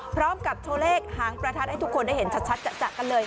พร้อมกับโชว์เลขหางประทัดให้ทุกคนได้เห็นชัดจะกันเลย